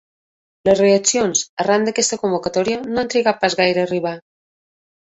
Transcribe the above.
Les reaccions arran d’aquesta convocatòria no han trigat pas gaire a arribar.